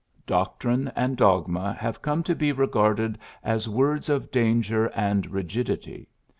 '' Doctrine and dog ma have come to be regarded as words of danger and rigidity.